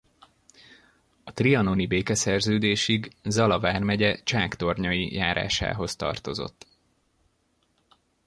A trianoni békeszerződésig Zala vármegye Csáktornyai járásához tartozott.